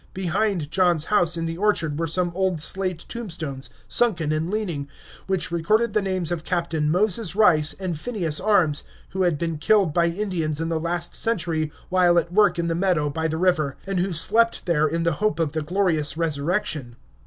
Behind John's house in the orchard were some old slate tombstones, sunken and leaning, which recorded the names of Captain Moses Rice and Phineas Arms, who had been killed by Indians in the last century while at work in the meadow by the river, and who slept there in the hope of the glorious resurrection.